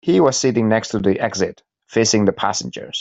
He was sitting next to the exit, facing the passengers.